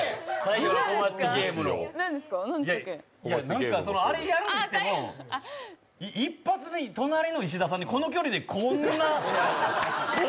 Ｋｏｍａｃｈｉゲームやるにしても一発目に隣の石田さんに、この距離で、こんな。